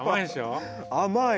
甘い！